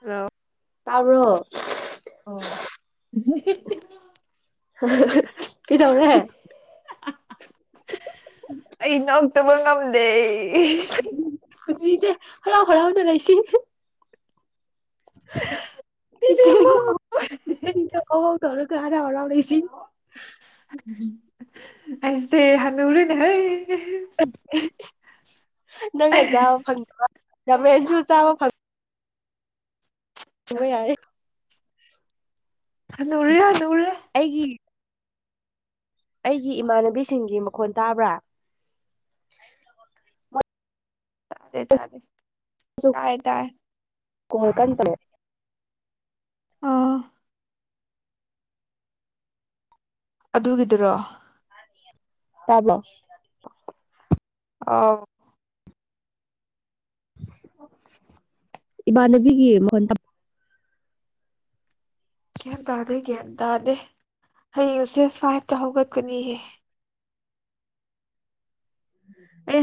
hello ꯇꯥꯕꯔꯣ ꯑꯣ ꯀ ꯇꯧꯔꯦ ꯕ ꯉꯝꯗꯦ ꯀꯖꯤꯁꯦ ꯍꯔꯥꯎ ꯍꯔꯥꯎꯅ ꯂꯩꯥꯏꯁꯤ ꯏꯕꯦꯝꯃ ꯆ ꯑꯥꯎꯔ ꯀꯥꯒꯥꯥ ꯍꯔꯥꯎꯁꯤ ꯑꯩꯁꯦ ꯍꯅ ꯎꯔꯅꯦ ꯍꯣꯏ ꯑ ꯅꯪꯅ ꯆꯥꯕ ꯐꯪꯗꯕ ꯂꯝꯃꯦꯟꯁꯨ ꯆꯥꯕ ꯐꯪ ꯎꯣꯏ ꯌꯥ ꯅꯔ ꯅꯔꯦ ꯑꯩꯒꯤ ꯑꯩꯒꯤ ꯏꯃꯥꯟꯅꯕꯤꯁꯤꯡꯒꯤ ꯃꯈꯣꯟ ꯇꯥꯕ꯭ꯔꯥ ꯇꯗꯦ ꯇꯗꯦ ꯇꯥꯏ ꯇꯥꯏ ꯀ ꯀꯟꯄꯔꯦ ꯑꯥ ꯑꯗꯨꯒꯤꯗꯨꯔꯣ ꯇꯕꯣ ꯑ ꯏꯃꯥꯟꯅꯕꯤꯒꯤ ꯃꯍꯟ ꯒ꯭ꯌꯥꯟ ꯇꯥꯗꯦ ꯒ꯭ꯌꯥꯟ ꯇꯥꯗꯦ ꯍꯌꯦꯡꯁꯦ ꯐꯥꯏꯚꯇ ꯍꯧꯒꯠꯀꯅꯤꯍꯦ ꯑꯩ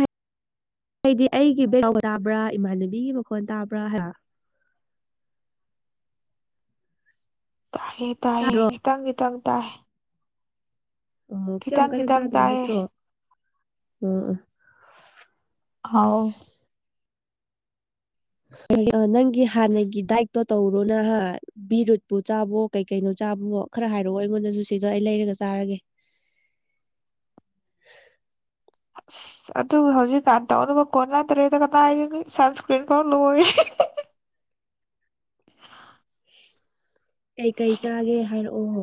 ꯑꯩꯗꯤ ꯑꯩꯒꯤ ꯃꯈ ꯇꯥꯕ꯭ꯔꯥ ꯏꯃꯥꯟꯅꯕꯤꯒꯤ ꯃꯈꯣꯟ ꯇꯥꯕ꯭ꯔꯥ ꯍꯥꯏ ꯇꯥꯏꯌꯦ ꯇꯥꯏꯌꯦ ꯇꯥꯗ꯭ꯔꯣ ꯈꯤꯇꯪ ꯈꯤꯇꯪ ꯇꯥꯏ ꯑꯣ ꯁꯤ ꯌꯥꯝ ꯈꯤꯇꯪ ꯀꯟꯅ ꯈꯤꯇꯪ ꯇꯥꯗꯕ ꯇꯥꯏꯌꯦ ꯅꯠꯇ꯭ꯔꯣ ꯑ ꯑ ꯍꯥꯎ ꯅꯪꯒꯤ ꯍꯥꯟꯅꯒꯤ ꯗꯥꯏꯛꯇꯣ ꯇꯧꯔꯣ ꯅꯍ ꯕꯤꯔꯨꯠꯄꯨ ꯆꯥꯕꯣ ꯀꯩ ꯀꯩꯅꯣ ꯆꯥꯕꯣ ꯈꯔ ꯍꯥꯏꯔꯛꯑꯣ ꯑꯩꯉꯣꯟꯗꯁꯨ ꯁꯤꯗ ꯑꯩ ꯂꯩꯔꯒ ꯆꯥꯔꯒꯦ [inaudible] ꯑꯁ ꯑꯗꯨ ꯍꯧꯖꯤꯛꯀꯥꯟ ꯇꯧꯅꯕ ꯀꯣꯟꯅꯗ꯭ꯔꯦꯗ ꯀꯗꯥꯏꯗꯒꯤ ꯁꯟꯁꯀ꯭ꯔꯤꯟ ꯈꯔ ꯂꯣꯏꯔꯤ [inaudible] ꯑ ꯀꯩꯀꯩ ꯆꯥꯒꯦ ꯍꯥꯏꯔꯛꯑꯣ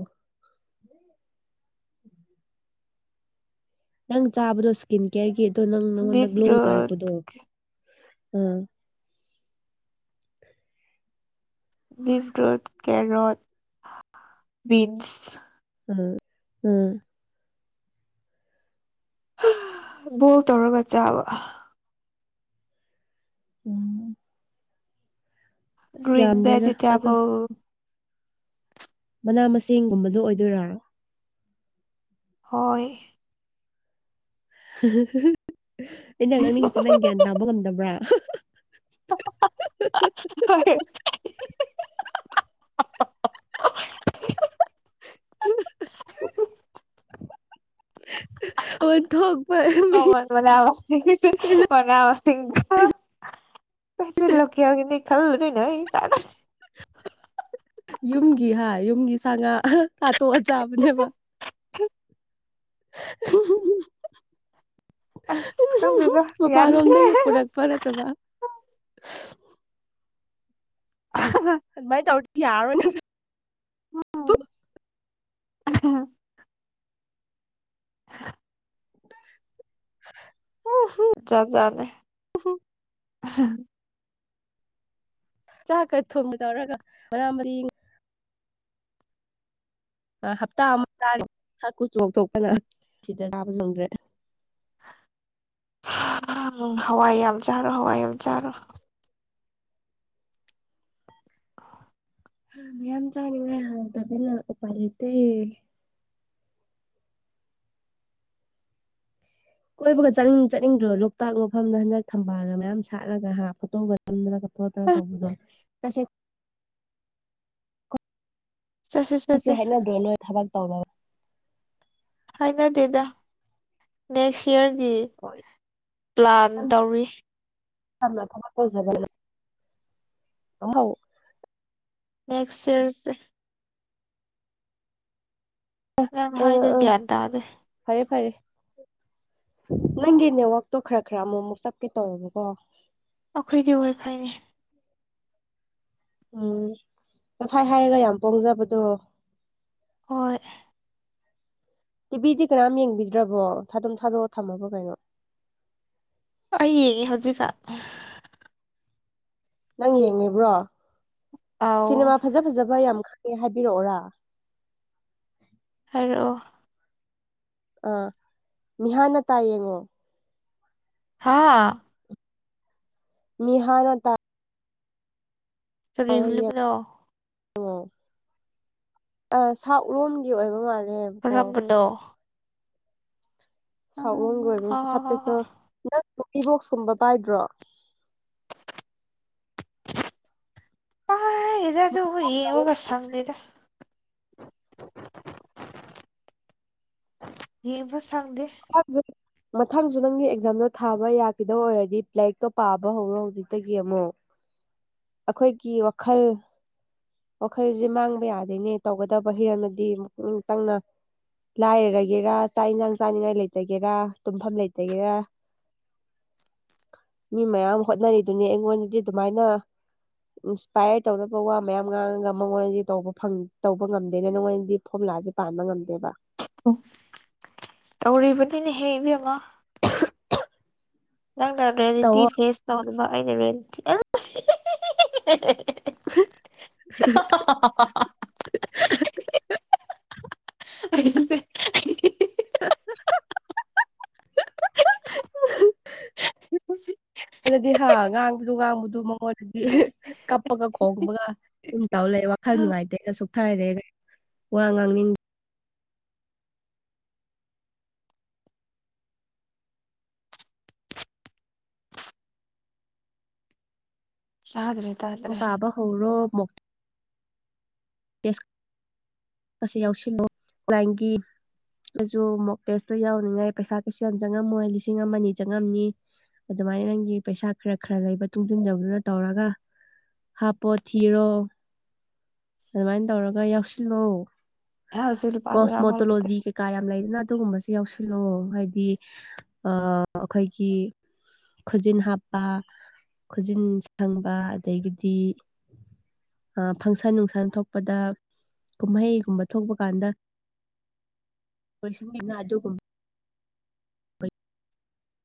ꯅꯪ ꯆꯥꯕꯗꯣ ꯏꯁꯀꯤꯟ ꯀꯦꯌꯔꯒꯤ ꯑꯗꯣ ꯅꯪ ꯅꯪꯉꯣꯟꯗ ꯒ꯭ꯂꯣ ꯕꯤꯞꯔꯨꯠ ꯀꯥꯔꯛꯄꯗꯣ ꯎꯝ ꯂꯤ꯭ꯔꯣ ꯀꯦꯔꯠ ꯕꯤꯟꯁ ꯎꯝ ꯎꯝ ꯕꯣꯜ ꯇꯧꯔꯒ ꯆꯥꯕ ꯎꯝ ꯑꯁ ꯒ꯭ꯔꯤꯟ ꯌꯥꯝꯗꯦꯗ ꯑꯗꯣ ꯚꯦꯖꯤꯇꯦꯕꯜ ꯃꯅꯥ ꯃꯁꯤꯡꯒꯨꯝꯕꯗꯣ ꯑꯣꯏꯗꯣꯏꯔꯔꯣ ꯍꯣꯏ ꯑꯩꯅ ꯉꯥꯡꯅꯤꯡꯁꯤ ꯅꯪ ꯒ꯭ꯌꯥꯟ ꯇꯥꯕ ꯉꯝꯗꯕ꯭ꯔꯥ ꯍ ꯑꯣ ꯊ ꯍ ꯃꯅꯦꯁ ꯃꯅꯦꯁ ꯂ ꯌꯥꯔꯒꯤꯅꯤ ꯈꯜꯅ ꯀꯗ ꯌꯨꯝꯒꯤ ꯍꯥꯏ ꯌꯨꯝꯒꯤ ꯁꯥ ꯉꯥ ꯍꯥꯠꯇꯣꯛꯑ ꯆꯥꯕꯅꯦꯕ ꯎ ꯑꯁ ꯎ ꯈꯪꯗ꯭ꯔꯤꯗ ꯌꯥꯗ꯭ꯔꯦ ꯃꯄꯥꯟꯂꯣꯝꯗꯒꯤ ꯄꯨꯔꯛꯄ ꯅꯠꯇꯕ ꯑꯗꯨ ꯃꯥꯏ ꯇꯧ ꯌꯥꯔꯣꯅꯦ ꯑ [unintelligible] ꯆꯠ ꯆꯗꯦ ꯆꯥꯛꯀ ꯊꯣꯡꯕ ꯇꯧꯔꯒ ꯃꯅꯥ ꯃꯁꯤꯡ ꯃꯁꯤꯡ ꯍꯞꯇꯥ ꯑꯃ ꯇꯥ ꯁꯛꯀꯨ ꯆꯊꯣꯛꯄꯅ ꯁꯤꯗ ꯇꯥꯕ ꯆꯪꯗ꯭ꯔꯦ ꯍꯋꯥꯏ ꯌꯥꯝ ꯆꯥꯔꯣ ꯍꯋꯥꯏ ꯌꯥꯝ ꯆꯥꯔꯣ [unintelligible] ꯃꯌꯥꯝ ꯆꯥꯅꯤꯡꯉ ꯇꯕꯤꯜ ꯂ ꯎꯄ ꯂꯩꯇꯦ ꯀꯣꯏꯕꯒꯅꯤꯡ ꯆꯠꯅꯤꯡꯗ꯭ꯔꯣ ꯂꯣꯛꯇꯥꯛ ꯃꯐꯝꯗ ꯍꯟꯗꯛ ꯊꯝꯕꯥꯜꯒ ꯃꯌꯥꯝ ꯁꯥꯠꯂꯒ ꯍꯥ ꯐꯣꯇꯣꯒꯝꯅ ꯇꯗ ꯇꯁꯦ ꯆꯠꯁꯦ ꯃ ꯁꯤ ꯆꯠꯁꯦ ꯍꯥꯏꯗ꯭ꯔꯣ ꯅꯣꯏ ꯊꯕꯛ ꯇꯧꯔꯕ ꯍꯥꯏꯅ ꯗꯦꯗ ꯅꯦꯛꯁ ꯏꯌꯔ ꯄ꯭ꯂꯥꯟ ꯇꯧꯔꯤ ꯐ ꯀꯣꯖ ꯑꯥꯎ ꯅꯦꯛꯦꯛꯁꯔꯁ ꯑ ꯅꯪ ꯑ ꯍꯥꯏꯗꯣ ꯑ ꯒ꯭ꯌꯥꯟ ꯇꯥꯗꯦ ꯐꯔꯦ ꯐꯔꯦ ꯅꯪꯒꯤ ꯅꯦꯠꯋꯥꯛꯛꯇꯣ ꯈꯔ ꯈꯔ ꯑꯃꯨꯛ ꯑꯃꯨꯛ ꯆꯞꯀꯦ ꯇꯧꯋꯦꯕꯀꯣ ꯑꯩꯈꯣꯏꯗꯤ ꯍꯣꯏ ꯐꯩꯅꯦ ꯎꯝ ꯉꯐꯥꯏ ꯍꯥꯏꯔꯒ ꯌꯥꯝ ꯄꯣꯡꯖꯕꯗꯣ ꯍꯣꯏ ꯇꯤꯚꯤꯗꯤ ꯀꯅꯥꯝ ꯌꯦꯡꯕꯤꯗ꯭ꯔꯕꯣ ꯊꯥ ꯑꯗꯨꯝ ꯊꯥꯗꯣꯛꯑꯣ ꯊꯝꯃꯕꯣ ꯀꯩꯅꯣ ꯑꯩ ꯌꯦꯡ ꯍꯧꯖꯤꯛꯀ ꯅꯪ ꯌꯦꯡꯉꯦꯕ꯭ꯔꯣ ꯑꯥꯎ ꯁꯤꯅꯦꯃꯥ ꯐꯖ ꯐꯖꯕ ꯌꯥꯝ ꯀꯩ ꯍꯥꯏꯕꯤꯔꯛꯑꯣꯔꯥ ꯑ ꯑꯥ ꯃꯤꯍꯥꯟꯅ ꯇꯥꯏ ꯌꯦꯡꯉꯣ ꯍꯥꯥ ꯃꯤꯅꯤꯍꯥꯅ ꯇ ꯗꯑꯣ ꯑꯣ ꯑ ꯁꯛ ꯂꯣꯟꯒꯤ ꯑꯣꯏꯕ ꯃꯥꯜꯂꯦꯕꯀꯣ ꯀꯔꯝꯕꯅꯣ ꯁꯂꯝꯒꯤ ꯑꯣꯏꯕ ꯍ ꯍ ꯍ ꯁꯥꯞꯇꯛꯇ ꯍ ꯅꯪꯄꯤꯕꯣꯛꯁꯀꯨꯝꯕ ꯄꯥꯏꯗ꯭ꯔꯣ ꯑ ꯏ ꯑꯗꯨ ꯌꯦꯉꯒ ꯆꯗꯗ ꯍꯕꯨ ꯁꯪꯗꯦ ꯃꯊꯪꯁꯨ ꯅꯪꯒꯤ ꯑꯦꯛꯖꯥꯝꯗꯣ ꯊꯥꯕ ꯌꯥꯈꯤꯗꯕ ꯑꯣꯏꯔꯗꯤ ꯂ꯭ꯂꯥꯏꯔꯤꯛꯇꯣ ꯄꯥꯕ ꯍꯧꯔꯣ ꯍꯧꯖꯤꯛꯇꯒꯤ ꯑꯃꯨꯛ ꯑꯩꯈꯣꯏꯒꯤ ꯋꯥꯈꯜ ꯋꯥꯈꯜꯁꯦ ꯃꯥꯡꯕ ꯌꯥꯗꯣꯏꯅꯦ ꯇꯧꯒꯗꯕ ꯍꯤꯔꯝꯃꯗꯤꯛ ꯆꯪꯅ ꯂꯥꯏꯔꯒꯦꯔꯥ ꯆꯥꯛ ꯌꯦꯟꯁꯥꯡ ꯆꯥꯅꯤꯡꯉꯥꯏ ꯂꯩꯇꯒꯦꯔꯥ ꯇꯨꯝꯐꯝ ꯂꯩꯇ ꯇꯔ ꯃꯤ ꯃꯌꯥꯝ ꯍꯣꯠꯅꯔꯤꯗꯨꯅꯤ ꯑꯩꯉꯣꯟꯗꯗꯤ ꯑꯗꯨꯃꯥꯏꯅ ꯏꯟꯁꯄꯔ ꯇꯧꯔ ꯄ ꯃꯌꯥꯝ ꯉꯥꯡꯉꯒ ꯃꯉꯣꯟꯗꯤ ꯇꯧꯕ ꯐ ꯇꯧꯕ ꯉꯝꯗꯦꯅ ꯅꯪꯉꯣꯟꯗꯗꯤ ꯐꯣꯔꯃꯨꯂꯥꯥꯁꯦ ꯄꯥꯟꯕ ꯉꯝꯗꯦꯕ ꯇꯧꯔꯤꯕꯅꯤꯅ ꯍꯦꯛ ꯏꯕꯦꯝꯃ ꯅꯪꯅ ꯔꯤꯌꯦꯂꯤꯇꯤ ꯇꯧꯋꯣ ꯐꯦꯁ ꯇꯧꯅꯕ ꯑꯩꯅ ꯇꯤ [inaudible] ꯑꯩꯁꯦ ꯁꯤ [inaudible] ꯑꯗꯨꯗꯤ ꯍꯥ ꯉꯥꯡꯕꯗꯨ ꯉꯥꯡꯕꯗꯨ ꯃꯉꯣꯟꯗꯗꯤ ꯀꯞꯄꯒ ꯈꯣꯡꯕꯒ ꯑꯗꯨꯝ ꯇꯥꯎ ꯂꯩꯕ ꯋꯥꯈꯜ ꯅꯨꯡꯉꯥꯏꯇꯦꯒ ꯁꯨꯛꯊꯥꯏꯔꯦꯒ ꯋꯥ ꯉꯥꯡꯅꯤꯡ ꯇꯥꯗ꯭ꯔꯦ ꯇꯥꯗ꯭ꯔꯦ ꯄꯥꯕ ꯍꯧꯔꯣ ꯃꯣ ꯑꯁꯤ ꯌꯥꯎꯁꯤꯜꯂꯨ ꯂꯥꯏꯒꯤ ꯑꯩꯁꯨ ꯃꯣꯛꯇꯦꯁꯇꯣ ꯌꯥꯎꯅꯤꯡꯉꯥꯏ ꯄꯩꯁꯥ ꯀꯩꯁꯨ ꯌꯥꯝ ꯆꯪꯉꯝꯃꯣꯏ ꯂꯤꯁꯤꯡ ꯑꯃꯅꯤ ꯆꯪꯉꯝꯅꯤ ꯑꯗꯨꯃꯥꯏꯅ ꯅꯪꯒꯤ ꯄꯩꯁꯥ ꯈꯔ ꯈꯔ ꯂꯩꯕ ꯇꯨꯡꯁꯤꯟꯖꯕꯗꯨꯅ ꯇꯧꯔꯒ ꯍꯥꯞꯄꯣ ꯊꯤꯔꯣ ꯑꯗꯨꯃꯥꯏꯅ ꯇꯧꯔꯒ ꯌꯥꯎꯁꯤꯜꯂꯣ ꯑꯩ ꯍꯧꯖꯤꯛ ꯂꯨꯄꯥ ꯇꯔꯥꯐꯥꯎ ꯂꯩꯇ꯭ꯔꯦ ꯀꯣꯁꯃꯣꯇꯣꯂꯣꯖꯤ ꯀ ꯀꯌꯥꯝ ꯂꯩꯗꯅ ꯑꯗꯨꯒꯨꯝꯕꯁ ꯌꯥꯎꯁꯤꯜꯂꯑꯣ ꯍꯥꯏꯗꯤ ꯑ ꯑꯩꯈꯣꯏꯒꯤ ꯈꯨꯖꯤꯟ ꯍꯥꯞꯄ ꯈꯨꯖꯤꯟ ꯁꯪꯕ ꯑꯗꯒꯤꯗꯤ ꯑ ꯐꯪꯁꯟ ꯅꯨꯡꯁꯟ ꯊꯣꯛꯄꯗ ꯀꯨꯝꯍꯩ ꯁꯨꯝꯕ ꯊꯣꯛꯄ ꯀꯥꯟꯗ ꯂꯣꯏꯁꯤꯟꯕꯤꯅ ꯑꯗꯨꯒꯨꯝꯕ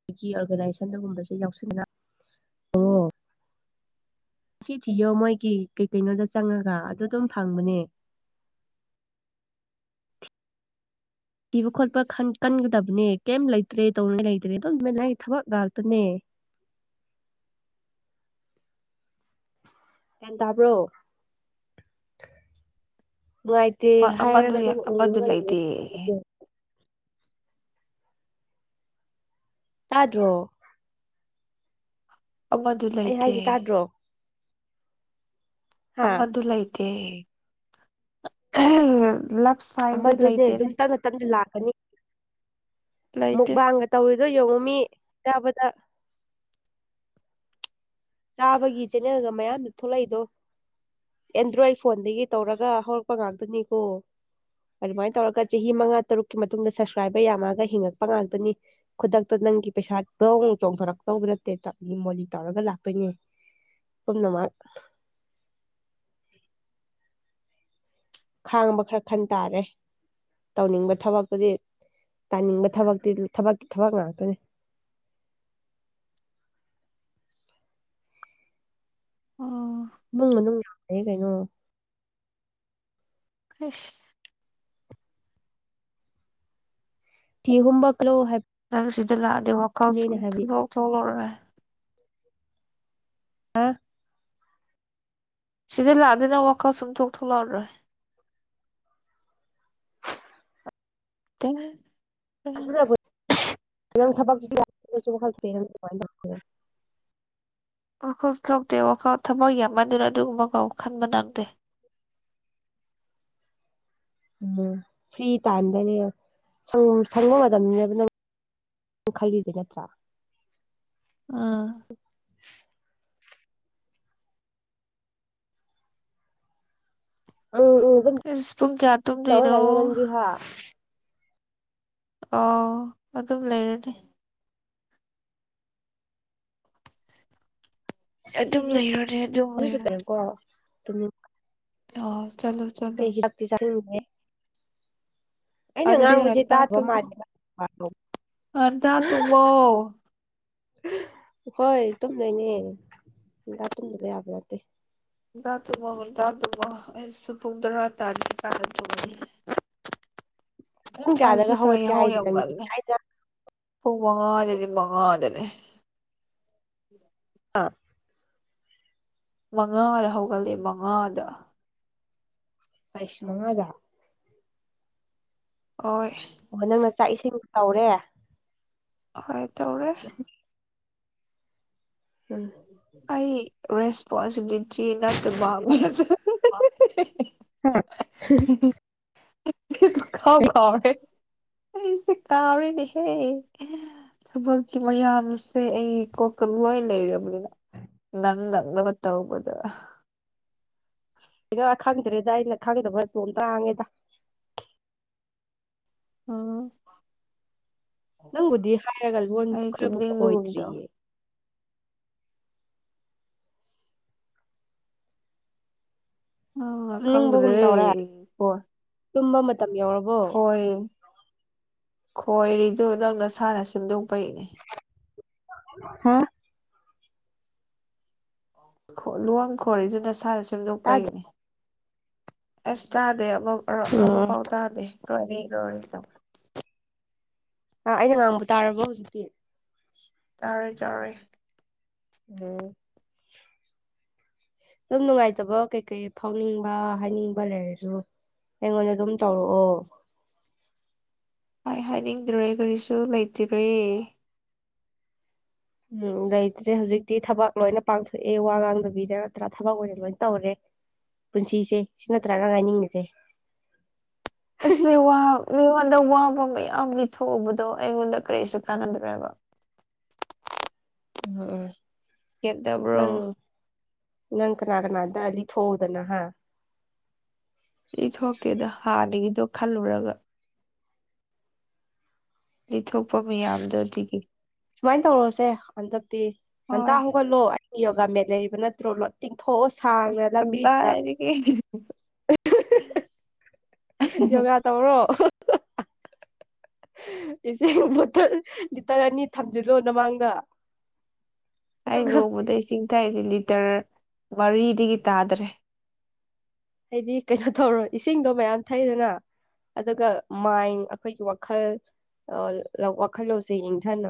ꯑꯩꯒꯤ ꯑꯣꯔꯒꯅꯥꯏꯖꯦꯁꯟꯅꯒꯨꯝꯕꯁꯦ ꯌꯥꯎꯁꯟꯅ ꯇꯧꯔꯑꯣ ꯤ ꯊꯤꯌꯣ ꯃꯣꯏꯒꯤ ꯀꯩꯀꯩꯅꯣꯗ ꯆꯪꯉꯒ ꯑꯗꯨ ꯑꯗꯨꯝ ꯐꯪꯕꯅꯦ [inaudible] ꯊꯤꯕ ꯈꯣꯠꯄ ꯀꯟꯒꯗꯕꯅꯦ ꯀꯩꯝ ꯂꯩꯇ꯭ꯔꯦ ꯇꯧꯅꯥꯏ ꯂꯩꯇ꯭ꯔꯦ ꯑꯗꯨꯣꯃꯅ ꯑꯩ ꯊꯕꯛ ꯉꯥꯛꯇꯅꯦ [inaudible] ꯀ ꯇꯕ꯭ꯔꯣ ꯅꯨꯡꯉꯥꯏꯇꯦ ꯑꯃꯗꯨ ꯍꯥꯏꯔꯒ ꯑꯗꯨꯝ ꯑꯃꯗꯨ ꯎꯡꯕꯒ ꯂꯩꯇꯦ ꯂꯩ ꯇꯥꯗ꯭ꯔꯣ ꯑꯃꯗꯨ ꯑꯩ ꯂꯩꯇꯦ ꯍꯥꯏꯁꯦ ꯇꯥꯗ꯭ꯔꯣ ꯍꯥ ꯑꯃꯗꯨ ꯂꯥꯏꯇꯦ ꯑꯃꯗꯨꯅꯦ ꯑꯗꯨꯝ ꯇꯞꯅ ꯇꯞꯅ ꯂꯥꯛꯀꯅꯤ ꯂꯩꯇꯦ ꯃꯨꯛꯕꯥꯡꯒ ꯇꯧꯔꯤ ꯑꯗꯣ ꯌꯦꯡꯉꯣ ꯃꯤ ꯇꯥꯕꯗ ꯆꯥꯕꯒꯤ ꯆꯦꯅꯦꯜꯒ ꯃꯌꯥꯝꯗꯨ ꯊꯣꯛꯂꯛꯏꯗꯣ ꯑꯦꯟꯗ꯭ꯔꯣꯏꯠ ꯐꯣꯟꯗꯒꯤ ꯇꯧꯔꯒ ꯍꯧꯔꯛꯄ ꯉꯥꯛꯇꯅꯤꯀꯣ ꯑꯗꯨꯃꯥꯏꯅ ꯇꯧꯔꯒ ꯆꯍꯤ ꯃꯉꯥ ꯇꯔꯨꯛꯀꯤ ꯃꯇꯨꯡꯗ ꯁꯁꯀ꯭ꯔꯥꯏꯕꯔ ꯌꯥꯝꯃꯛꯑꯒ ꯍꯤꯡꯉꯛꯄ ꯉꯥꯛꯇꯅꯤ ꯈꯨꯗꯛꯇ ꯅꯪꯒꯤ ꯄꯩꯁꯥꯗꯧ ꯆꯣꯡꯊꯣꯔꯛꯆꯧꯕ ꯅꯠꯇꯦ ꯆ ꯃꯣ ꯇꯧꯔꯒ ꯂꯥꯛ ꯦ ꯀꯅ [inaudible] ꯃꯥ ꯈꯥꯡꯕ ꯈꯔ ꯈꯟ ꯇꯥꯔꯦ ꯇꯧꯅꯤꯡꯕ ꯊꯕꯛꯇꯨꯗꯤ ꯇꯥꯅꯤꯡꯕ ꯊꯕꯛꯇꯤ ꯊꯕꯛꯀꯤ ꯊꯕꯛ ꯉꯥꯛꯇꯅꯦ [inaudible] ꯎꯝ ꯍꯦ ꯀꯩꯅꯣ ꯏꯁ ꯊꯤ ꯍꯨꯝꯕ ꯀꯂꯣ ꯍꯥꯏ ꯑ ꯁꯤꯗ ꯂꯥꯛꯑꯗꯤ ꯋꯥꯀꯜ ꯊꯣꯛꯂꯔꯣꯏ ꯑ [inaudible] ꯁꯤꯗ ꯂꯥꯛꯑꯗꯅ ꯋꯥꯈꯜ ꯁꯨꯝ ꯊꯣꯛ ꯊꯣꯛꯂꯛꯑꯔꯔꯣꯏ ꯊꯦꯡ [inaudible] ꯊꯕ [unintelligible] ꯍꯜ ꯐ [unintelligible] ꯋꯥꯈꯜ ꯊꯣꯛꯇꯦ ꯋꯥꯈꯜ ꯊꯕꯛ ꯌꯥꯝ ꯃꯟꯗꯨꯅ ꯑꯗꯨꯒꯨꯝꯕ ꯀꯥꯎ ꯈꯟꯕ ꯅꯪꯗꯦ [unintelligible] ꯎꯝ ꯐ꯭ꯔꯤ ꯇꯥꯏꯝꯗꯅꯦ ꯁꯪꯕ ꯃꯇꯝꯅꯦꯕ ꯅꯪ ꯈꯜꯂꯤꯁꯦ ꯅꯠꯇ꯭ꯔꯥ ꯑꯥ ꯎꯝ ꯎꯝ ꯑꯗꯨꯝ ꯏꯁ ꯄꯨꯡ ꯀꯌꯥ ꯇꯧꯔ ꯇꯨꯝꯗꯣꯏꯅꯣ ꯂꯩꯌꯣ ꯅꯪꯗꯤ ꯍꯥ ꯑ ꯑꯗꯨꯝ ꯂꯩꯔꯅꯤ ꯑꯗꯨꯝ ꯑꯩꯗꯤ ꯂꯩꯔꯅꯤ ꯑꯗꯨꯝ ꯍꯅꯤꯇꯔꯦꯀꯣ ꯑꯗꯨ ꯑ ꯄꯦ ꯆꯦ ꯑꯩꯅ ꯑꯗꯨꯗꯤ ꯉꯥꯡꯕꯕꯁꯤꯦ ꯇꯥꯗꯕ ꯃꯥꯜꯂꯦ ꯑꯗ ꯇꯨꯣ ꯍꯣꯏ ꯇꯨꯝꯗꯣꯏꯅꯦꯗ ꯇꯨꯝꯗꯕ ꯌꯥꯕ ꯅꯠꯇꯦ ꯇꯗꯨꯕ ꯑꯩꯁꯨꯨꯄꯨꯡꯗꯔꯥ ꯇꯥꯗꯤ ꯀꯥꯟꯔ ꯇꯣꯡꯅꯤ ꯄꯨꯡ ꯑꯁ ꯀꯌꯥꯗꯒ ꯀ ꯍꯧꯒꯠꯀꯦ ꯍꯥꯏꯁꯦ ꯍꯧꯒ ꯅꯪꯗꯤ ꯍꯥꯏꯗ ꯃꯉꯥꯗ ꯂꯩꯦ ꯃꯉꯥꯗ ꯂꯩꯦ ꯑꯥ ꯃꯉꯥꯗ ꯍꯧꯒꯠꯂꯛꯑꯦ ꯃꯉꯥꯗ [unintelligible] [unintelligible] ꯑꯣꯍ ꯅꯪꯅ ꯆꯥꯛ ꯏꯁꯤꯡ ꯇꯧꯔꯦ ꯍꯣꯏ ꯇꯧꯔꯦ ꯎꯝ ꯑꯩ ꯔꯦꯁꯄꯣꯟꯁꯤꯕꯤꯂꯤ ꯆꯅꯠꯇꯕꯥꯕ ꯍꯥ ꯈꯥꯎ ꯈꯥꯎꯔꯦꯁ ꯀꯥꯥꯎꯔꯤꯅꯤ ꯍꯦ ꯊꯕꯛꯀꯤ ꯃꯌꯥꯝꯁꯦ ꯑꯩ ꯀꯣꯛꯀ ꯂꯣꯏ ꯂꯩꯔꯕ ꯅꯟꯗꯒꯠꯇ ꯍꯕꯣꯗ ꯄꯔ ꯈꯪꯗ꯭ꯔꯦꯗ ꯑꯩꯅ ꯈꯪꯗꯕ ꯈꯔ ꯆꯣꯡ ꯇꯥꯡꯉꯦꯗ ꯑ ꯅꯪꯕꯨꯗꯤ ꯍꯥꯏꯔꯒ ꯂꯣꯟ ꯈꯔꯕꯨ ꯇꯨꯝꯅꯤꯡꯕꯒꯨꯝ ꯇꯧ ꯈꯣꯏꯗ꯭ꯔꯤꯌꯦ ꯑ ꯈꯪ꯭ꯔꯦ ꯇꯨꯝꯅꯤꯡꯕꯒꯨꯝ ꯇꯧꯔꯦ ꯐꯣ ꯇꯨꯝꯕ ꯃꯇꯝ ꯌꯧꯔꯕꯣ ꯈꯣꯏꯔꯤꯗꯨ ꯅ ꯅꯁꯥꯅ ꯁꯤꯟꯗꯣꯛꯄꯩꯅꯦ ꯍꯥꯥ ꯂꯨꯍꯣꯡ ꯈꯣꯔꯤꯗꯨ ꯅꯁꯥꯅ ꯇꯥꯗ꯭ꯔ ꯁꯦꯝꯗꯣꯛꯄꯩꯒꯤꯅꯤ ꯑꯁ ꯇꯥꯗꯦ ꯑꯃ ꯎꯝ ꯑꯃꯐꯥꯎ ꯇꯥꯗꯦ ꯀꯒ [unintelligible] ꯑ ꯑꯩꯅ ꯉꯥꯡꯕ ꯇꯥꯔꯕꯣ ꯍꯧꯖꯤꯛꯇꯤ ꯇꯥꯔꯣꯏ ꯌꯥꯥꯔꯣꯏ ꯎꯝ ꯑꯗꯨꯝ ꯅꯨꯡꯉꯥꯏꯇꯕ ꯀꯩꯀꯩ ꯐꯥꯎꯅꯤꯡꯕ ꯍꯥꯏꯅꯤꯡꯕ ꯂꯩꯔꯁꯨ ꯑꯩꯉꯣꯟꯗ ꯑꯗꯨꯝ ꯇꯧꯔꯛꯑꯣ ꯍꯥꯏ ꯍꯥꯏꯅꯤꯡꯗ꯭ꯔꯨꯔꯦ ꯀꯔꯤꯁꯨ ꯂꯩꯇ꯭ꯔꯤꯕ ꯎꯝ ꯂꯩꯇ꯭ꯔꯦ ꯍꯧꯖꯤꯛꯇꯤ ꯊꯕꯛ ꯂꯣꯏꯅ ꯄꯥꯡꯊꯣꯛꯑꯦ ꯋꯥ ꯉꯥꯡꯗꯕꯤꯗ ꯅꯠꯇ꯭ꯔꯥ ꯊꯕꯛ ꯑꯣꯏꯅ ꯂꯣꯏꯅ ꯇꯧꯔꯦ ꯄꯨꯟꯁꯤꯁꯦ ꯁꯤ ꯅꯠꯇ꯭ꯔꯥꯅ ꯍꯥꯏꯅꯤꯡꯉꯁꯦ ꯁꯦ ꯋꯥ ꯃꯤꯉꯣꯟꯗ ꯋꯥꯕ ꯃꯌꯥꯝ ꯂꯤꯊꯣꯛꯎꯕꯗꯣ ꯑꯩꯉꯣꯟꯗ ꯀꯔꯤꯁꯨ ꯀꯥꯟꯅꯗ꯭ꯔꯦꯕ [unintelligible] ꯎꯝ ꯎꯝ ꯀꯞꯇꯕ꯭ꯔꯣ ꯅꯪ ꯅꯪ ꯀꯅꯥꯒꯅꯥꯗ ꯑ ꯂꯤ ꯊ ꯍꯧꯗꯅ ꯍꯥ ꯑꯩ ꯊꯣꯛꯇꯦꯗ ꯍꯥꯟꯅꯒꯤꯗꯣ ꯈꯜꯂꯨꯔꯒ ꯂꯤꯊꯣꯛꯄ ꯃꯤꯌꯥꯝꯗꯣ ꯑꯗꯨꯒꯤ ꯁꯨꯃꯥꯏꯅ ꯇꯧꯔꯣꯁꯦ ꯍꯟꯗꯛꯇꯤ ꯉꯟꯇꯥ ꯍꯣꯏ ꯍꯧꯒꯠꯂꯣ ꯑꯩꯩꯅ ꯌꯣꯒꯥ ꯃꯠ ꯂꯩꯔꯤꯕ ꯅꯠꯇ꯭ꯔꯣ ꯂꯣ ꯊꯣꯛꯑꯣ ꯁꯥꯡꯅ ꯂꯝꯕꯤꯗꯨꯗ ꯀꯗꯥꯏꯗꯒꯤ ꯌꯣꯒꯥ ꯇꯧꯔꯣ [unintelligible] ꯏꯁꯤꯡ ꯕꯣꯇꯜ ꯂꯤꯇꯔ ꯑꯅꯤ ꯊꯝꯖꯤꯜꯂꯣ ꯅꯃꯥꯡꯗ ꯑꯩ ꯑꯗꯨꯒ ꯅꯣꯡꯃꯗ ꯏꯁꯤꯡ ꯊꯛꯏꯁꯦ ꯂꯤꯇꯔ ꯃꯔꯤꯗꯒꯤ ꯇꯥꯗ꯭ꯔꯦ ꯍꯥꯏꯗꯤ ꯀꯩꯅꯣ ꯇꯧꯔꯣ ꯏꯁꯤꯡꯗꯣ ꯃꯌꯥꯝ ꯊꯩꯗꯅ ꯑꯗꯨꯒ ꯃꯥꯏꯟ ꯑꯩꯈꯣꯏꯒꯤ ꯋꯥꯈꯜ ꯋꯥꯈꯜ ꯂꯧꯁꯦ ꯏꯪꯊꯅꯕ